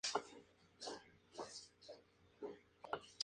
Más adelante recibió su nombre del Sázava, un río de Bohemia.